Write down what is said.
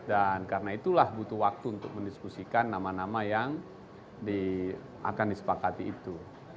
dan karena itulah butuh waktu untuk mendiskusikan nama nama yang akan disepakati itu